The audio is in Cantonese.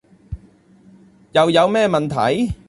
又有咩問題?